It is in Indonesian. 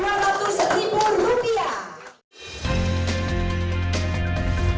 dua ratus ribu rupiah